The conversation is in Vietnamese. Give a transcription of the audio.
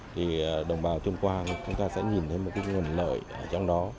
thì đồng bào tuyên quang chúng ta sẽ nhìn thấy một nguồn lợi trong đó